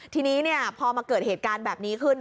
ทีนี้พอมาเกิดเหตุการณ์แบบนี้ขึ้น